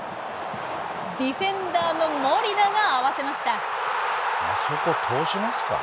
ディフェンダーのモリナが合わせました。